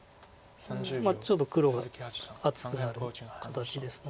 ちょっと黒が厚くなる形ですので。